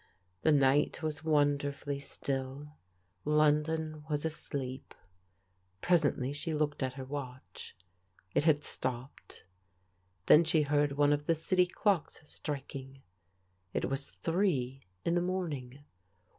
The night was wonderfully still ; London was asleep. Presently she looked at her watch. It had stopped. Then she heard one of the city clocks striking. It was three in the morning.